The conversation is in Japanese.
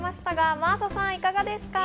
真麻さん、いかがですか？